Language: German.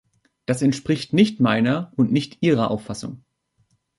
Das entspricht nicht meiner und nicht Ihrer Auffassung.